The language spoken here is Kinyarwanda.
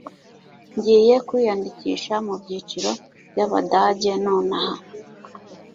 Ngiye kwiyandikisha mubyiciro byabadage nonaha.